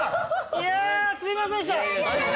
いやすいませんでした！